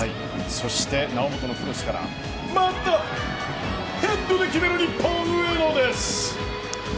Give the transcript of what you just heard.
そして、猶本のクロスからまたヘッドで決める日本、上野！